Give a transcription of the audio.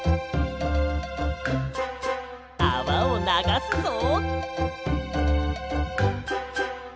あわをながすぞ！